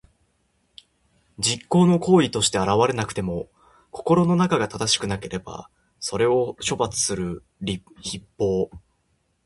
実際の行為として現れなくても、心の中が正しくなければ、それを処罰する筆法。